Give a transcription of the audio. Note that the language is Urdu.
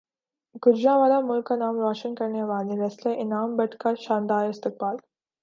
گوجرانوالہ ملک کا نام روشن کرنیوالے ریسلر انعام بٹ کا شاندار استقبال